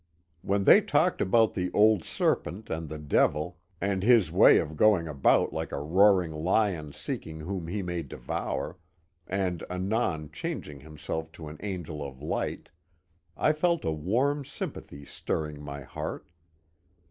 When they talked about the old serpent and the devil, and his way of going about like a roaring lion seeking whom he may devour, and anon changing himself to an angel of light, I felt a warm sympathy stirring my heart.